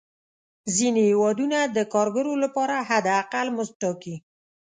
ځینې هېوادونه د کارګرو لپاره حد اقل مزد ټاکي.